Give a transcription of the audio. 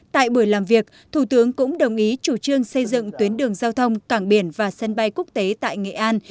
tại buổi làm việc thủ tướng cũng đồng ý chủ trương xây dựng tuyến đường giao thông cảng biển và sân bay quốc tế tại nghệ an